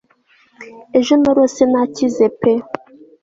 Ejo narose nakize pe